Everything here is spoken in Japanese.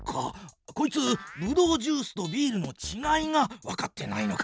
こいつブドウジュースとビールのちがいがわかってないのか。